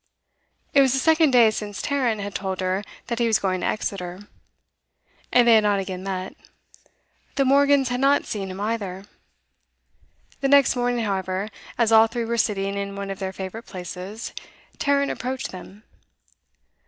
It was the second day since Tarrant had told her that he was going to Exeter, and they had not again met; the Morgans had not seen him either. The next morning, however, as all three were sitting in one of their favourite places, Tarrant approached them.